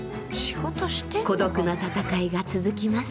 孤独な闘いが続きます。